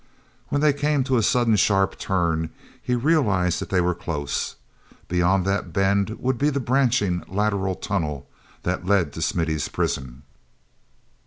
When they came to a sudden sharp turn, he realized that they were close. Beyond that bend would be the branching, lateral tunnel that led to Smithy's prison.